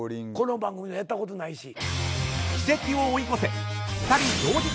この番組でやったことないし。